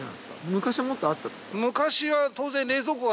昔はもっとあったんですか？